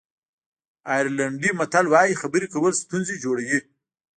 آیرلېنډي متل وایي خبرې کول ستونزې جوړوي.